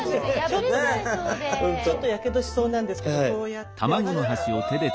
ちょっとやけどしそうなんですけどこうやって箸で。